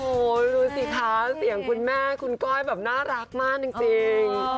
โอ้โหดูสิคะเสียงคุณแม่คุณก้อยแบบน่ารักมากจริง